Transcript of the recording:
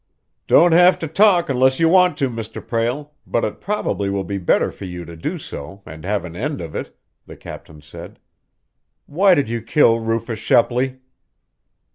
"Don't have to talk unless you want to, Mr. Prale, but it probably will be better for you to do so, and have an end of it," the captain said. "Why did you kill Rufus Shepley?"